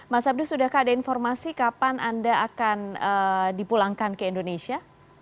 mas abdus sudahkah ada informasi kapan anda akan dipulangkan ke indonesia